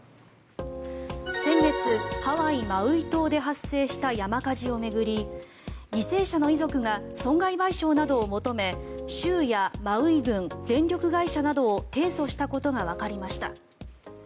先月、ハワイ・マウイ島で発生した山火事を巡り犠牲者の遺族が損害賠償などを求め州やマウイ郡、電力会社などを提訴したことがわかりました。